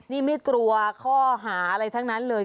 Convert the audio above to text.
นี่ไม่กลัวข้อหาอะไรทั้งนั้นเลย